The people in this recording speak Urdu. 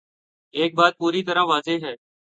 ایک بات پوری طرح واضح ہے۔